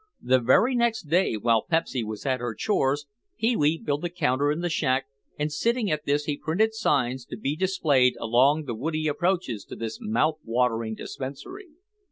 The very next day, while Pepsy was at her chores, Pee wee built a counter in the shack and sitting at this he printed signs to be displayed along the woody approaches to this mouth watering dispensary.